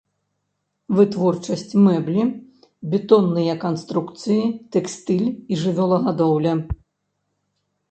Вытворчасць мэблі, бетонныя канструкцыі, тэкстыль і жывёлагадоўля.